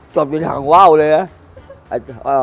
จบทางวาวเลยนะ